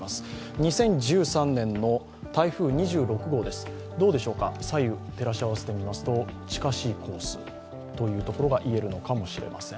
２０１３年の台風２６号ですどうでしょうか左右照らし合わせてみますと、近しいコースといえるのかもしれません。